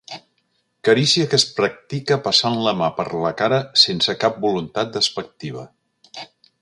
Carícia que es practica passant la mà per la cara sense cap voluntat despectiva.